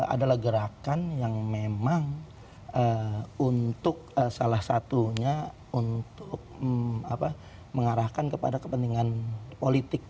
adalah gerakan yang memang untuk salah satunya untuk mengarahkan kepada kepentingan politik